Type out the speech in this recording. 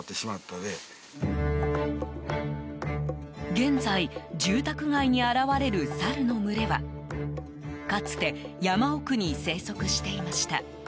現在、住宅街に現れるサルの群れはかつて山奥に生息していました。